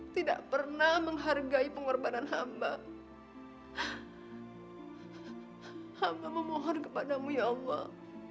tolonglah ya allah